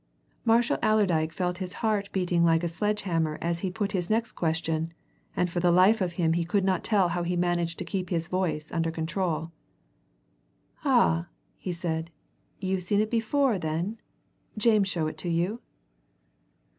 Marshall Allerdyke felt his heart beating like a sledgehammer as he put his next question, and for the life of him he could not tell how he managed to keep his voice under control. "Ah!" he said. "You've seen it before, then? James show it to you?"